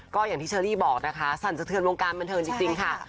ก็อย่างที่เชอรี่บอกนะคะสั่นสะเทือนวงการบันเทิงจริงค่ะ